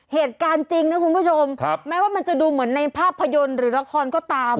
เหตุการณ์จริงนะคุณผู้ชมแม้ว่ามันจะดูเหมือนในภาพยนตร์หรือละครก็ตาม